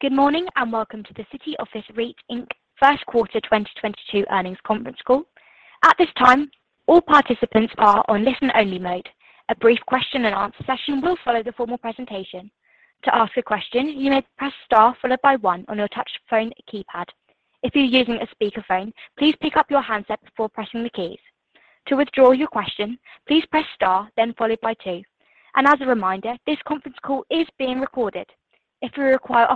Good morning, and welcome to the City Office REIT, Inc. first quarter 2022 earnings conference call. At this time, all participants are on listen-only mode. A brief question and answer session will follow the formal presentation. To ask a question, you may press star followed by one on your touch-tone phone keypad. If you're using a speakerphone, please pick up your handset before pressing the keys. To withdraw your question, please press star then followed by two. As a reminder, this conference call is being recorded. If you require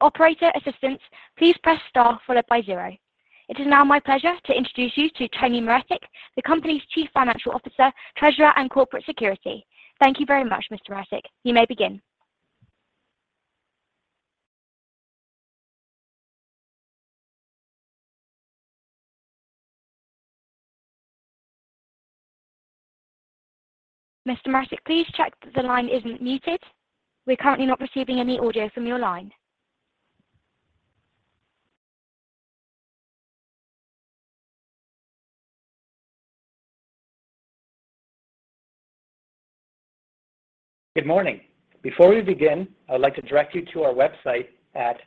operator assistance, please press star followed by zero. It is now my pleasure to introduce you to Tony Maretic, the company's chief financial officer, treasurer, and corporate secretary. Thank you very much, Mr. Maretic. You may begin. Mr. Maretic, please check that the line isn't muted. We're currently not receiving any audio from your line. Good morning. Before we begin, I'd like to direct you to our website at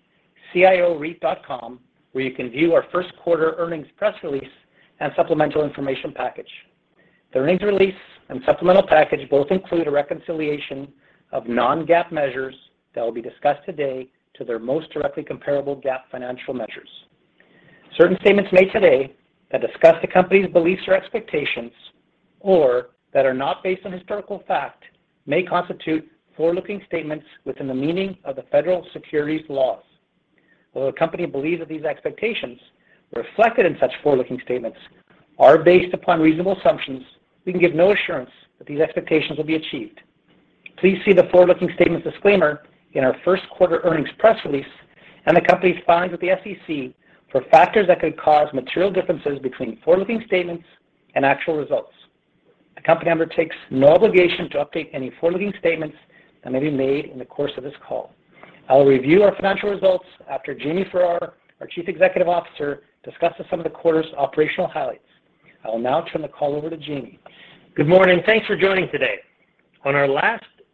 cioreit.com, where you can view our first quarter earnings press release and supplemental information package. The earnings release and supplemental package both include a reconciliation of non-GAAP measures that will be discussed today to their most directly comparable GAAP financial measures. Certain statements made today that discuss the company's beliefs or expectations or that are not based on historical fact may constitute forward-looking statements within the meaning of the federal securities laws. While the company believes that these expectations reflected in such forward-looking statements are based upon reasonable assumptions, we can give no assurance that these expectations will be achieved. Please see the forward-looking statements disclaimer in our first quarter earnings press release and the company's filings with the SEC for factors that could cause material differences between forward-looking statements and actual results. The company undertakes no obligation to update any forward-looking statements that may be made in the course of this call. I'll review our financial results after Jamie Farrar, our Chief Executive Officer, discusses some of the quarter's operational highlights. I will now turn the call over to Jamie. Good morning. Thanks for joining today. On our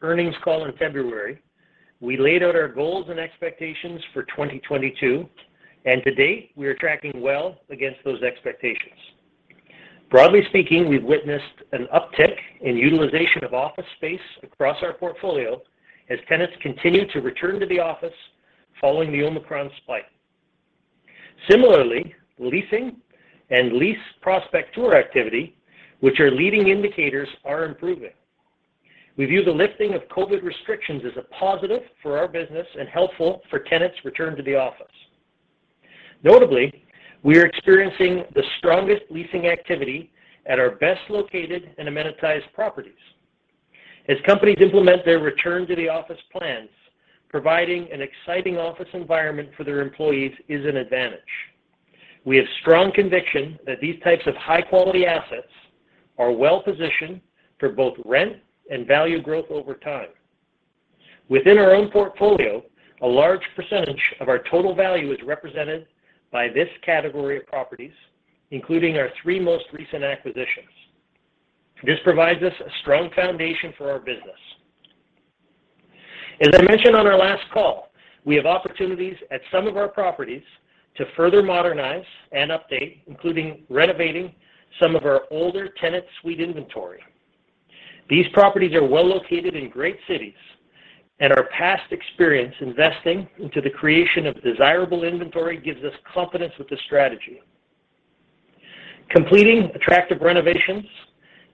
last earnings call in February, we laid out our goals and expectations for 2022, and to date, we are tracking well against those expectations. Broadly speaking, we've witnessed an uptick in utilization of office space across our portfolio as tenants continue to return to the office following the Omicron spike. Similarly, leasing and lease prospect tour activity, which are leading indicators, are improving. We view the lifting of COVID restrictions as a positive for our business and helpful for tenants' return to the office. Notably, we are experiencing the strongest leasing activity at our best located and amenitized properties. As companies implement their return to the office plans, providing an exciting office environment for their employees is an advantage. We have strong conviction that these types of high-quality assets are well positioned for both rent and value growth over time. Within our own portfolio, a large percentage of our total value is represented by this category of properties, including our three most recent acquisitions. This provides us a strong foundation for our business. As I mentioned on our last call, we have opportunities at some of our properties to further modernize and update, including renovating some of our older tenant suite inventory. These properties are well located in great cities, and our past experience investing into the creation of desirable inventory gives us confidence with this strategy. Completing attractive renovations,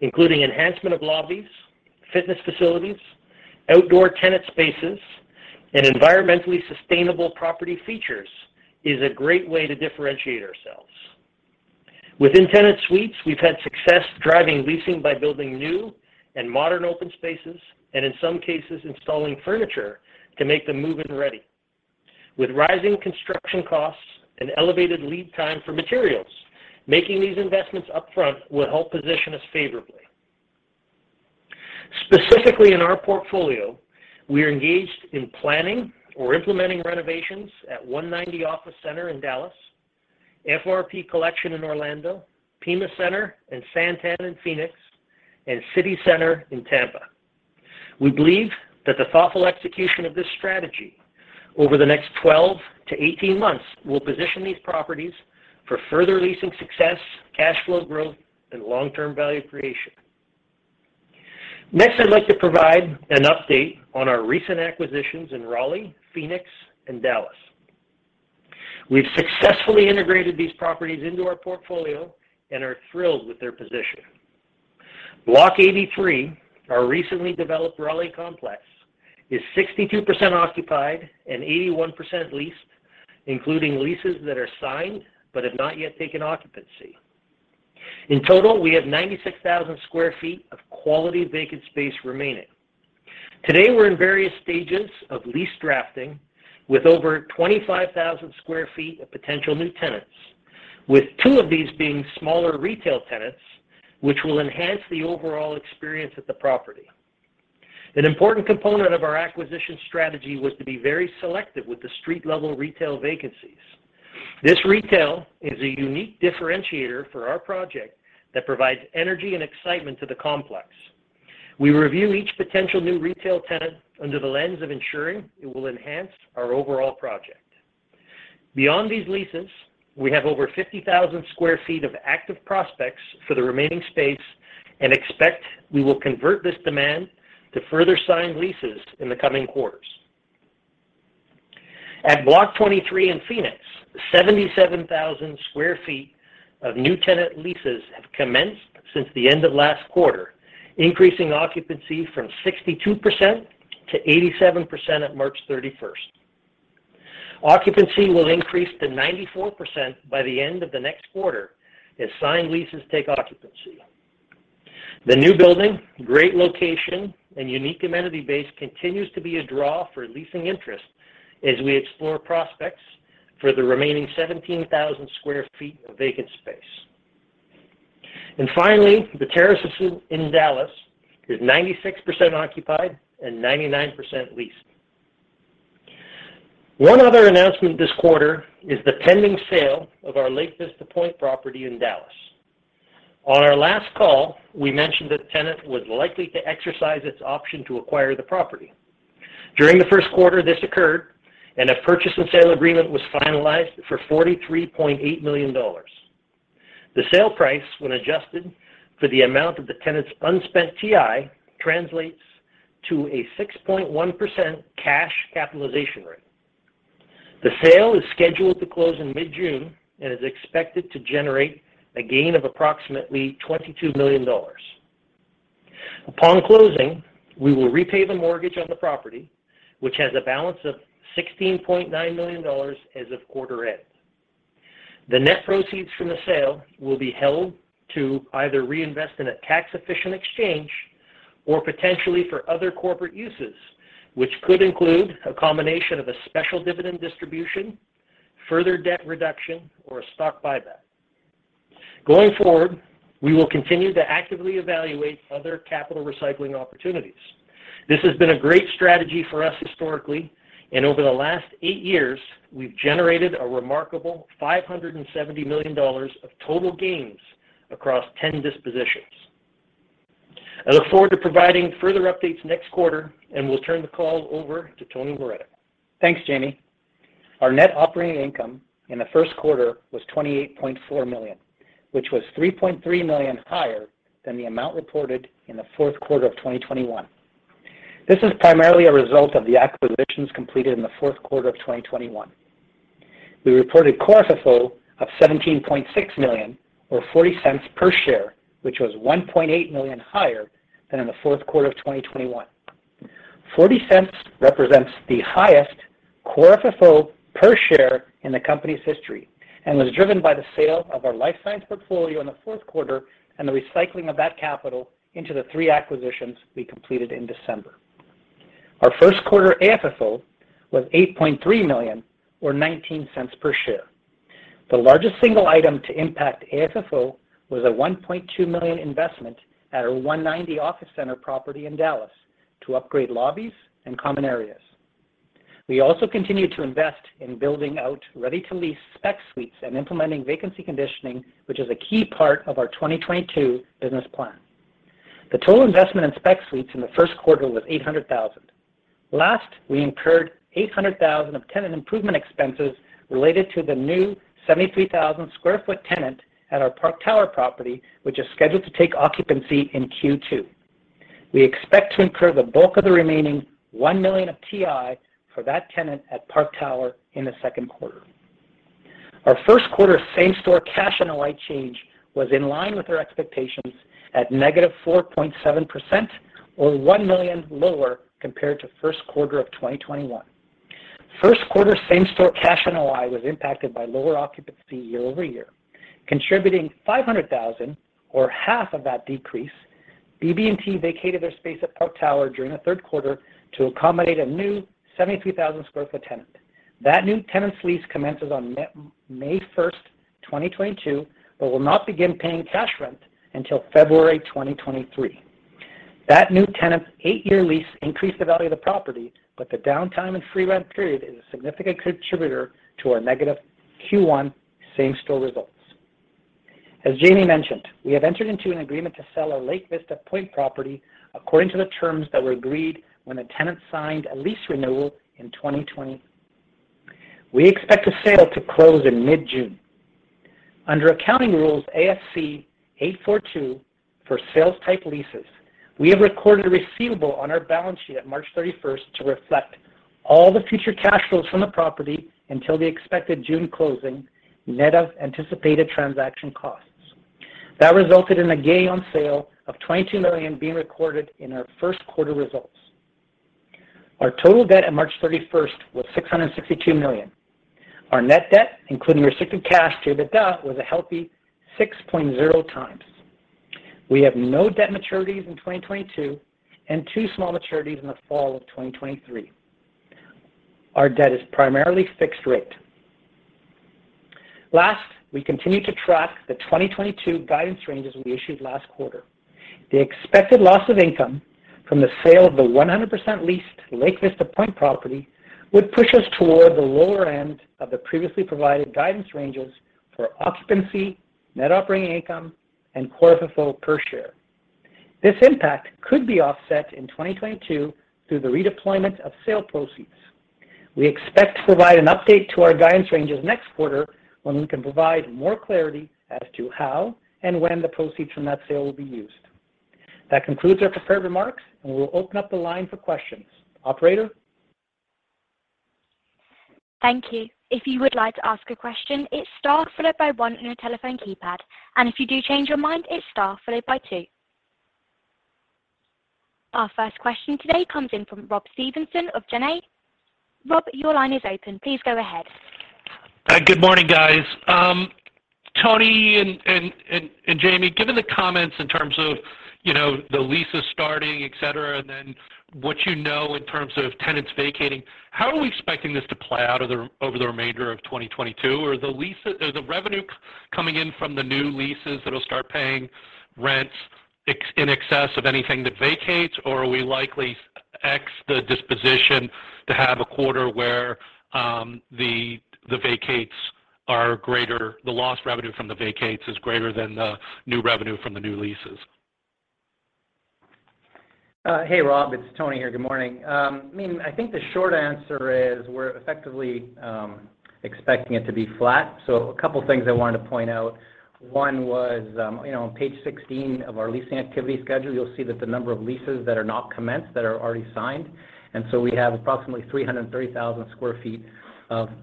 including enhancement of lobbies, fitness facilities, outdoor tenant spaces, and environmentally sustainable property features is a great way to differentiate ourselves. Within tenant suites, we've had success driving leasing by building new and modern open spaces, and in some cases, installing furniture to make them move-in ready. With rising construction costs and elevated lead time for materials, making these investments up front will help position us favorably. Specifically in our portfolio, we are engaged in planning or implementing renovations at 190 Office Center in Dallas, FRP Collection in Orlando, Pima Center and SanTan in Phoenix, and City Center in Tampa. We believe that the thoughtful execution of this strategy over the next 12-18 months will position these properties for further leasing success, cash flow growth, and long-term value creation. Next, I'd like to provide an update on our recent acquisitions in Raleigh, Phoenix, and Dallas. We've successfully integrated these properties into our portfolio and are thrilled with their position. Block 83, our recently developed Raleigh complex, is 62% occupied and 81% leased, including leases that are signed but have not yet taken occupancy. In total, we have 96,000 sq ft of quality vacant space remaining. Today, we're in various stages of lease drafting with over 25,000 sq ft of potential new tenants, with two of these being smaller retail tenants, which will enhance the overall experience at the property. An important component of our acquisition strategy was to be very selective with the street-level retail vacancies. This retail is a unique differentiator for our project that provides energy and excitement to the complex. We review each potential new retail tenant under the lens of ensuring it will enhance our overall project. Beyond these leases, we have over 50,000 sq ft of active prospects for the remaining space and expect we will convert this demand to further signed leases in the coming quarters. At Block 23 in Phoenix, 77 sq ft of new tenant leases have commenced since the end of last quarter, increasing occupancy from 62% to 87% at March 31st. Occupancy will increase to 94% by the end of the next quarter as signed leases take occupancy. The new building, great location, and unique amenity base continues to be a draw for leasing interest as we explore prospects for the remaining 17,000 sq ft of vacant space. Finally, the Terraces in Dallas is 96% occupied and 99% leased. One other announcement this quarter is the pending sale of our Lake Vista Point property in Dallas. On our last call, we mentioned that the tenant was likely to exercise its option to acquire the property. During the first quarter, this occurred, and a purchase and sale agreement was finalized for $43.8 million. The sale price, when adjusted for the amount of the tenant's unspent TI, translates to a 6.1% cash capitalization rate. The sale is scheduled to close in mid-June and is expected to generate a gain of approximately $22 million. Upon closing, we will repay the mortgage on the property, which has a balance of $16.9 million as of quarter end. The net proceeds from the sale will be held to either reinvest in a tax-efficient exchange or potentially for other corporate uses, which could include a combination of a special dividend distribution, further debt reduction, or a stock buyback. Going forward, we will continue to actively evaluate other capital recycling opportunities. This has been a great strategy for us historically, and over the last 8 years, we've generated a remarkable $570 million of total gains across 10 dispositions. I look forward to providing further updates next quarter and will turn the call over to Tony Maretic. Thanks, Jamie. Our net operating income in the first quarter was $28.4 million, which was $3.3 million higher than the amount reported in the fourth quarter of 2021. This is primarily a result of the acquisitions completed in the fourth quarter of 2021. We reported core FFO of $17.6 million or $0.40 per share, which was $1.8 million higher than in the fourth quarter of 2021. $0.40 represents the highest core FFO per share in the company's history and was driven by the sale of our life science portfolio in the fourth quarter and the recycling of that capital into the three acquisitions we completed in December. Our first quarter AFFO was $8.3 million or $0.19 per share. The largest single item to impact AFFO was a $1.2 million investment at our 190 Office Center property in Dallas to upgrade lobbies and common areas. We also continued to invest in building out ready-to-lease spec suites and implementing vacancy conditioning, which is a key part of our 2022 business plan. The total investment in spec suites in the first quarter was $800,000. Last, we incurred $800,000 of tenant improvement expenses related to the new 73,000 sq ft tenant at our Park Tower property, which is scheduled to take occupancy in Q2. We expect to incur the bulk of the remaining $1 million of TI for that tenant at Park Tower in the second quarter. Our first quarter same-store cash NOI change was in line with our expectations at -4.7% or $1 million lower compared to first quarter of 2021. First quarter same-store cash NOI was impacted by lower occupancy year-over-year. Contributing $500,000 or half of that decrease, BB&T vacated their space at Park Tower during the third quarter to accommodate a new 73,000 sq ft tenant. That new tenant's lease commences on May 1, 2022, but will not begin paying cash rent until February 2023. That new tenant's eight-year lease increased the value of the property, but the downtime and free rent period is a significant contributor to our negative Q1 same-store results. As Jamie mentioned, we have entered into an agreement to sell our Lake Vista Point property according to the terms that were agreed when the tenant signed a lease renewal in 2020. We expect the sale to close in mid-June. Under accounting rules ASC 842 for sales-type leases, we have recorded a receivable on our balance sheet at March 31 to reflect all the future cash flows from the property until the expected June closing, net of anticipated transaction costs. That resulted in a gain on sale of $22 million being recorded in our first quarter results. Our total debt at March 31 was $662 million. Our net debt, including restricted cash to the debt, was a healthy 6.0x. We have no debt maturities in 2022 and two small maturities in the fall of 2023. Our debt is primarily fixed rate. Lastly, we continue to track the 2022 guidance ranges we issued last quarter. The expected loss of income from the sale of the 100% leased Lake Vista Point property would push us toward the lower end of the previously provided guidance ranges for occupancy, net operating income, and core FFO per share. This impact could be offset in 2022 through the redeployment of sale proceeds. We expect to provide an update to our guidance ranges next quarter when we can provide more clarity as to how and when the proceeds from that sale will be used. That concludes our prepared remarks, and we'll open up the line for questions. Operator? Thank you. If you would like to ask a question, it's star followed by one on your telephone keypad. If you do change your mind, it's star followed by two. Our first question today comes in from Rob Stevenson of Janney. Rob, your line is open. Please go ahead. Good morning, guys. Tony Maretic and Jamie Farrar, given the comments in terms of, you know, the leases starting, et cetera, and then what you know in terms of tenants vacating, how are we expecting this to play out over the remainder of 2022? Are the revenue coming in from the new leases that'll start paying rents in excess of anything that vacates, or are we likely see the disposition to have a quarter where the lost revenue from the vacates is greater than the new revenue from the new leases? Hey, Rob. It's Tony here. Good morning. I mean, I think the short answer is we're effectively expecting it to be flat. A couple things I wanted to point out. One was, you know, on page 16 of our leasing activity schedule, you'll see that the number of leases that are not commenced that are already signed. We have approximately 330,000 sq ft of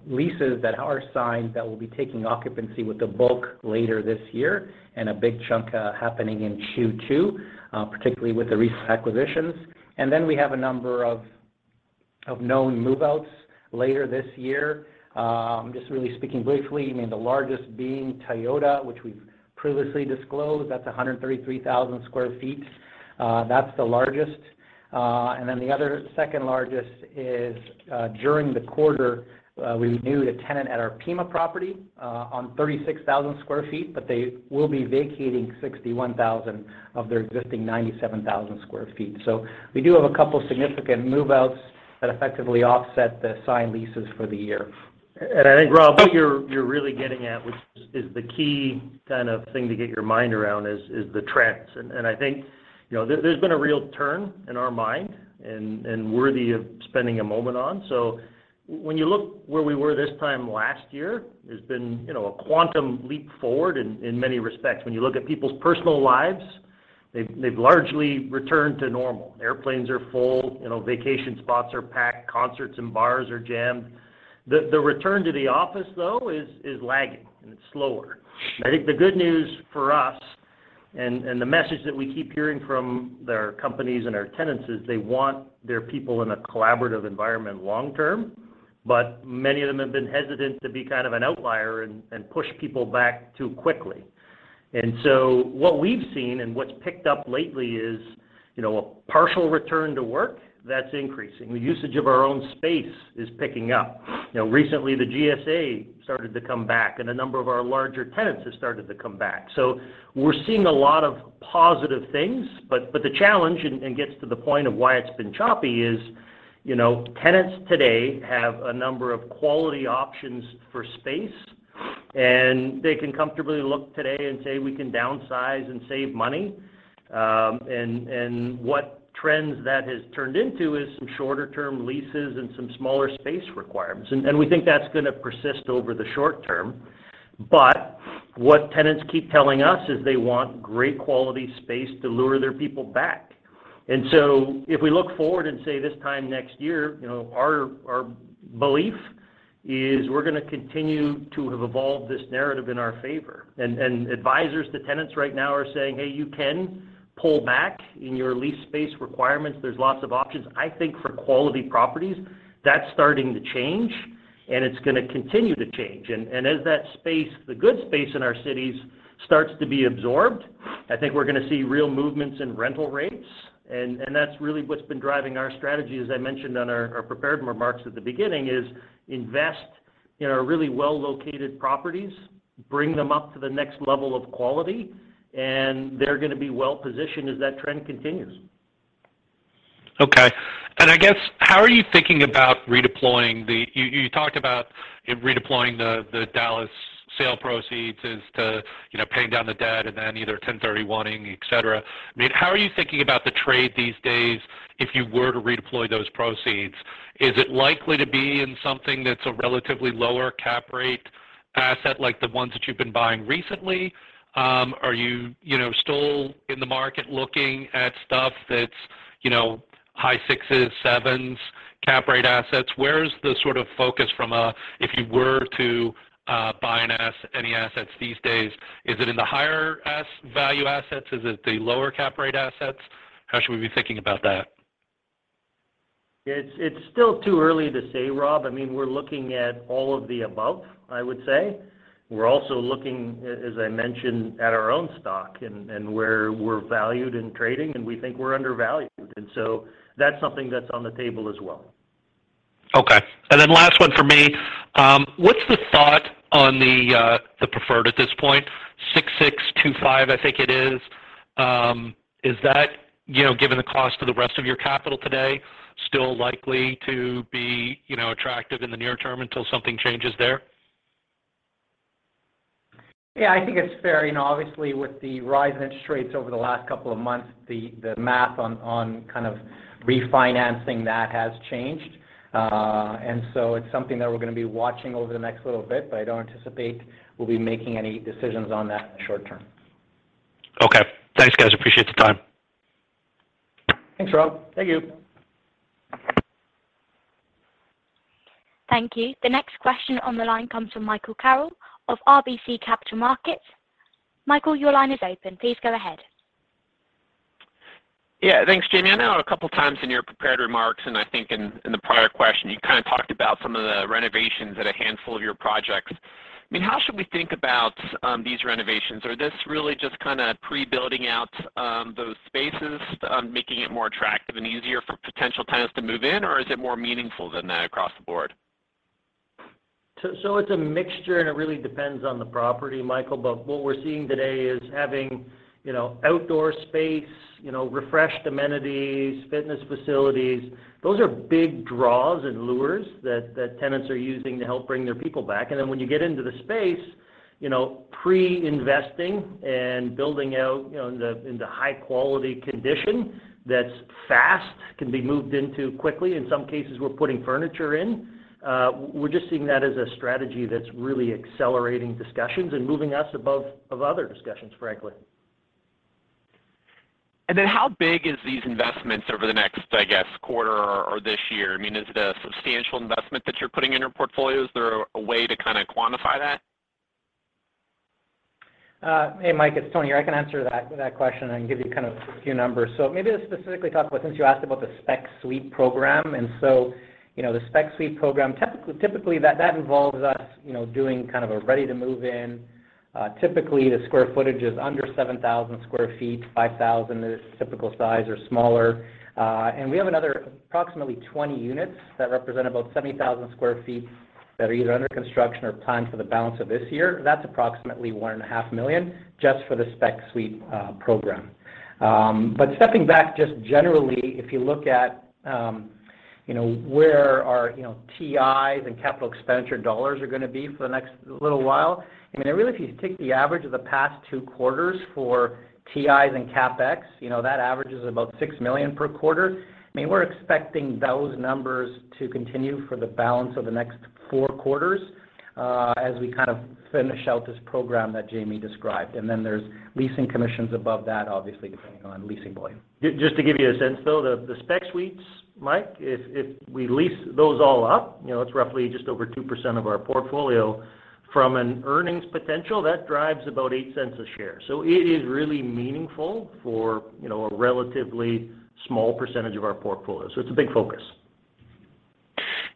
leases that are signed that will be taking occupancy with the bulk later this year, and a big chunk happening in Q2, particularly with the recent acquisitions. We have a number of known move-outs later this year. Just really speaking briefly, I mean, the largest being Toyota, which we've previously disclosed, that's 133,000 sq ft. That's the largest. The other second largest is, during the quarter, we renewed a tenant at our Pima property, on 36,000 sq ft, but they will be vacating 61,000 of their existing 97,000 sq ft. We do have a couple significant move-outs that effectively offset the signed leases for the year. I think, Rob, what you're really getting at, which is the key kind of thing to get your mind around is the trends. I think, you know, there's been a real turn in our mind and worthy of spending a moment on. When you look where we were this time last year, there's been, you know, a quantum leap forward in many respects. When you look at people's personal lives, they've largely returned to normal. Airplanes are full, you know, vacation spots are packed, concerts and bars are jammed. The return to the office, though, is lagging, and it's slower. I think the good news for us and the message that we keep hearing from their companies and our tenants is they want their people in a collaborative environment long term, but many of them have been hesitant to be kind of an outlier and push people back too quickly. What we've seen and what's picked up lately is, you know, a partial return to work that's increasing. The usage of our own space is picking up. You know, recently, the GSA started to come back, and a number of our larger tenants have started to come back. We're seeing a lot of positive things, but the challenge and gets to the point of why it's been choppy is, you know, tenants today have a number of quality options for space, and they can comfortably look today and say, we can downsize and save money. And what that has turned into is some shorter-term leases and some smaller space requirements. We think that's gonna persist over the short term. What tenants keep telling us is they want great quality space to lure their people back. If we look forward and say this time next year, you know, our belief is we're gonna continue to have evolved this narrative in our favor. Advisors to tenants right now are saying, "Hey, you can pull back in your lease space requirements. There's lots of options." I think for quality properties, that's starting to change, and it's gonna continue to change. As that space, the good space in our cities starts to be absorbed, I think we're gonna see real movements in rental rates. That's really what's been driving our strategy, as I mentioned on our prepared remarks at the beginning, is invest in our really well-located properties, bring them up to the next level of quality, and they're gonna be well positioned as that trend continues. Okay. I guess how are you thinking about redeploying the. You talked about redeploying the Dallas sale proceeds as to, you know, paying down the debt and then either 1031 exchange, et cetera. I mean, how are you thinking about the trade these days if you were to redeploy those proceeds? Is it likely to be in something that's a relatively lower cap rate asset like the ones that you've been buying recently? Are you know, still in the market looking at stuff that's, you know, high sixes, sevens cap rate assets? Where is the sort of focus if you were to buy any assets these days, is it in the higher value assets? Is it the lower cap rate assets? How should we be thinking about that? It's still too early to say, Rob. I mean, we're looking at all of the above, I would say. We're also looking, as I mentioned, at our own stock and where we're valued in trading, and we think we're undervalued. That's something that's on the table as well. Okay. Last one for me, what's the thought on the preferred at this point? 6.625 I think it is. Is that, you know, given the cost of the rest of your capital today, still likely to be, you know, attractive in the near term until something changes there? Yeah, I think it's fair. You know, obviously with the rise in interest rates over the last couple of months, the math on kind of refinancing that has changed. It's something that we're gonna be watching over the next little bit, but I don't anticipate we'll be making any decisions on that short term. Okay. Thanks, guys. Appreciate the time. Thanks, Rob. Thank you. Thank you. The next question on the line comes from Michael Carroll of RBC Capital Markets. Michael, your line is open. Please go ahead. Yeah. Thanks, Jamie. I know a couple of times in your prepared remarks, and I think in the prior question, you kind of talked about some of the renovations at a handful of your projects. I mean, how should we think about these renovations? Are this really just kinda pre-building out those spaces, making it more attractive and easier for potential tenants to move in, or is it more meaningful than that across the board? It's a mixture, and it really depends on the property, Michael. What we're seeing today is having, you know, outdoor space, you know, refreshed amenities, fitness facilities. Those are big draws and lures that tenants are using to help bring their people back. When you get into the space, you know, pre-investing and building out, you know, in the high quality condition that's fast, can be moved into quickly. In some cases, we're putting furniture in. We're just seeing that as a strategy that's really accelerating discussions and moving us ahead of other discussions, frankly. How big is these investments over the next, I guess, quarter or this year? I mean, is it a substantial investment that you're putting in your portfolios? Is there a way to kinda quantify that? Hey, Mike, it's Tony here. I can answer that question and give you kind of a few numbers. Maybe let's specifically talk about since you asked about the spec suite program. You know, the spec suite program, technically, typically, that involves us, you know, doing kind of a ready to move in. Typically, the square footage is under 7,000 sq ft, 5,000 is typical size or smaller. We have another approximately 20 units that represent about 70,000 sq ft that are either under construction or planned for the balance of this year. That's approximately $1.5 million just for the spec suite program. Stepping back just generally, if you look at, you know, where our, you know, TIs and capital expenditure dollars are gonna be for the next little while, I mean, really, if you take the average of the past two quarters for TIs and CapEx, you know, that average is about $6 million per quarter. I mean, we're expecting those numbers to continue for the balance of the next four quarters, as we kind of finish out this program that Jamie described. Then there's leasing commissions above that, obviously, depending on leasing volume. Just to give you a sense, though, the spec suites, Mike, if we lease those all up, you know, it's roughly just over 2% of our portfolio. From an earnings potential, that drives about $0.08 a share. It is really meaningful for, you know, a relatively small percentage of our portfolio. It's a big focus.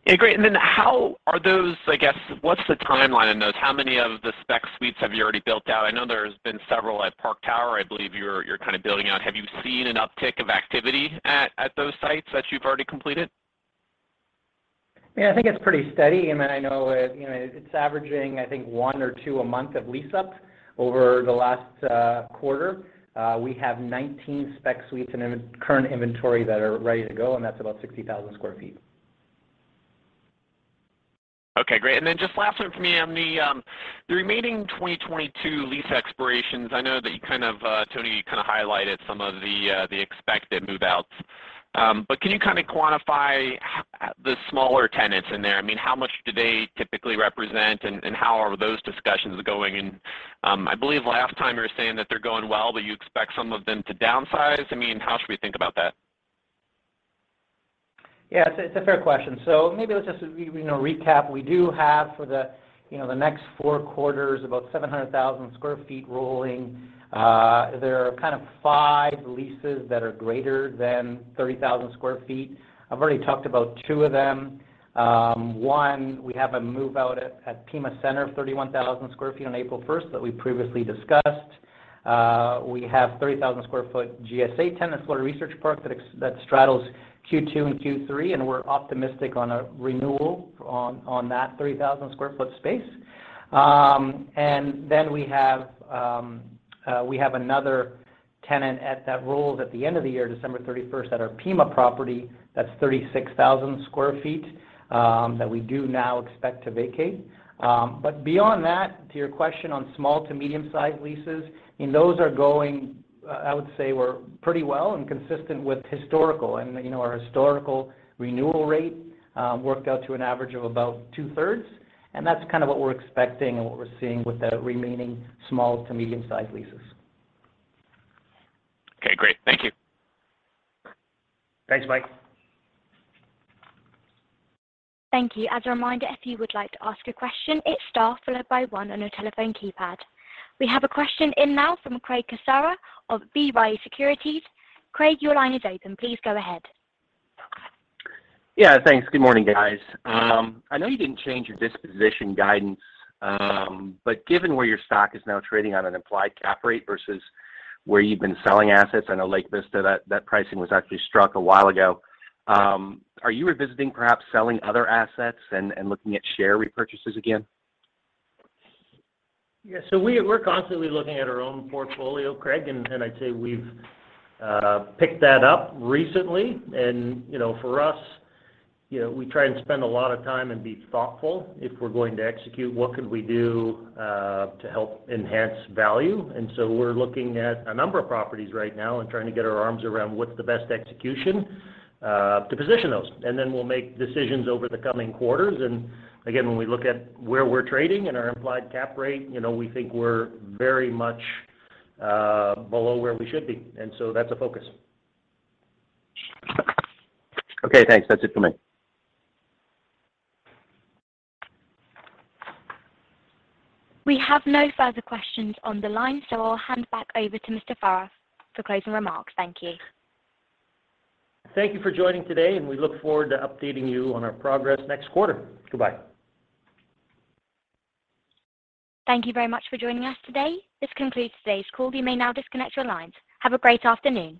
Yeah. Great. How are those, I guess. What's the timeline on those? How many of the spec suites have you already built out? I know there's been several at Park Tower. I believe you're kind of building out. Have you seen an uptick of activity at those sites that you've already completed? Yeah, I think it's pretty steady. I mean, I know it, you know, it's averaging, I think one or two a month of lease up over the last quarter. We have 19 spec suites in current inventory that are ready to go, and that's about 60,000 sq ft. Okay, great. Just last one from me on the remaining 2022 lease expirations. I know that you kind of, Tony, you kinda highlighted some of the expected move-outs. Can you kinda quantify how the smaller tenants in there? I mean, how much do they typically represent and how are those discussions going? I believe last time you were saying that they're going well, but you expect some of them to downsize. I mean, how should we think about that? Yeah, it's a fair question. Maybe let's just, you know, recap. We do have for the, you know, the next four quarters, about 700,000 sq ft rolling. There are kind of five leases that are greater than 30,000 sq ft. I've already talked about two of them. One, we have a move-out at Pima Center, 31,000 sq ft on April first that we previously discussed. We have 30,000 sq ft GSA tenant for Research Park that straddles Q2 and Q3, and we're optimistic on a renewal on that 3,000 sq ft space. And then we have another tenant that rolls at the end of the year, December thirty-first, at our Pima property, that's 36,000 sq ft that we do now expect to vacate. Beyond that, to your question on small to medium-sized leases, and those are going, I would say we're pretty well and consistent with historical. You know, our historical renewal rate worked out to an average of about two or three, and that's kind of what we're expecting and what we're seeing with the remaining small to medium-sized leases. Okay, great. Thank you. Thanks, Mike. Thank you. As a reminder, if you would like to ask a question, it's star followed by one on your telephone keypad. We have a question in now from Craig Kucera of B. Riley Securities. Craig, your line is open. Please go ahead. Yeah, thanks. Good morning, guys. I know you didn't change your disposition guidance, but given where your stock is now trading on an implied cap rate versus where you've been selling assets, I know Lake Vista, that pricing was actually struck a while ago. Are you revisiting perhaps selling other assets and looking at share repurchases again? Yeah. We're constantly looking at our own portfolio, Craig, and I'd say we've picked that up recently. You know, for us, you know, we try and spend a lot of time and be thoughtful if we're going to execute, what could we do to help enhance value. We're looking at a number of properties right now and trying to get our arms around what's the best execution to position those. Then we'll make decisions over the coming quarters. Again, when we look at where we're trading and our implied cap rate, you know, we think we're very much below where we should be. That's a focus. Okay, thanks. That's it for me. We have no further questions on the line, so I'll hand back over to Mr. Farrar for closing remarks. Thank you. Thank you for joining today, and we look forward to updating you on our progress next quarter. Goodbye. Thank you very much for joining us today. This concludes today's call. You may now disconnect your lines. Have a great afternoon.